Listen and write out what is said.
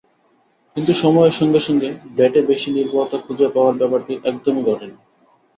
কিন্তু সময়ের সঙ্গে সঙ্গে ব্যাটে বেশি নির্ভরতা খুঁজে পাওয়ার ব্যাপারটি একদমই ঘটেনি।